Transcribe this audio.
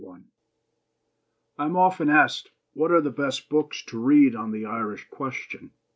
I am often asked, What are the best books to read on the Irish question?